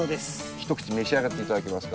一口召し上がって頂けますか？